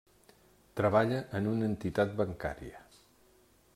Treballa en una entitat bancària.